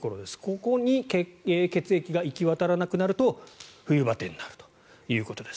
ここに血液が行き渡らなくなると冬バテになるということです。